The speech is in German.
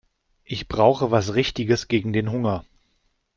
Ich brauche was Richtiges gegen den Hunger.